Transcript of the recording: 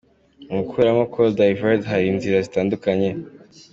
Mu gukuramo call divert hari inzira zitandukanye.